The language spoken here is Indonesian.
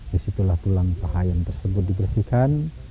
disitulah tulang paha yang tersebut dibersihkan